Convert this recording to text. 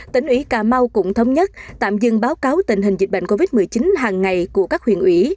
tỉnh ủy cà mau cũng thống nhất tạm dừng báo cáo tình hình dịch bệnh covid một mươi chín hàng ngày của các huyện ủy